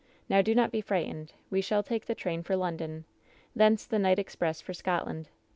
Now do not be frightened. We shall take the train for Lon don. Thence the night express for Scotland.